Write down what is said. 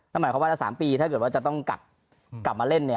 หมายความว่าละ๓ปีถ้าเกิดว่าจะต้องกลับมาเล่นเนี่ย